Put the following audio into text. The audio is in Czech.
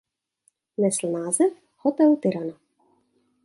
Nesl název "Hotel Tirana".